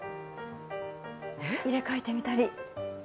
入れ替えてみたり。